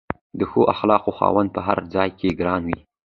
د ښو اخلاقو خاوند په هر ځای کې ګران وي.